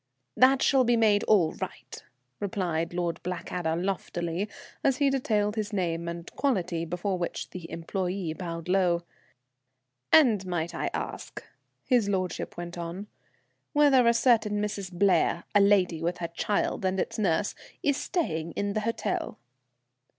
"That shall be made all right," replied Lord Blackadder loftily, as he detailed his name and quality, before which the employé bowed low. "And might I ask," his lordship went on, "whether a certain Mrs. Blair, a lady with her child and its nurse, is staying in the hotel?"